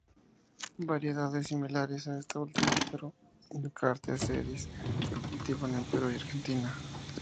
Variedades similares a esta última, pero "incertae sedis", se cultivan en Perú y Argentina.